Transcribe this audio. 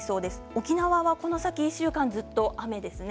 沖縄は１週間ずっと雨ですね。